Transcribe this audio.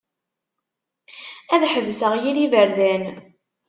Ad ḥebseɣ yir iberdan.